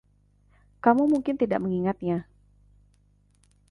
Kamu mungkin tidak mengingatnya.